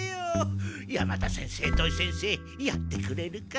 山田先生土井先生やってくれるか？